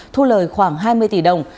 thu lời khoảng hai mươi tỷ đồng